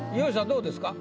どうですか？